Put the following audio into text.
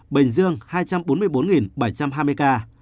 bình dương hai trăm bốn mươi bốn bảy trăm hai mươi ca